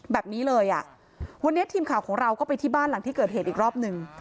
แบบนี้เลยอ่ะวันนี้ทีมข่าวของเราก็ไปที่บ้านหลังที่เกิดเหตุอีกรอบหนึ่ง